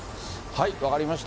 分かりました。